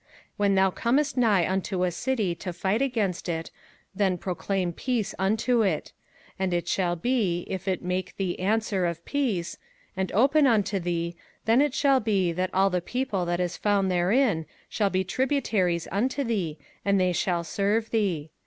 05:020:010 When thou comest nigh unto a city to fight against it, then proclaim peace unto it. 05:020:011 And it shall be, if it make thee answer of peace, and open unto thee, then it shall be, that all the people that is found therein shall be tributaries unto thee, and they shall serve thee.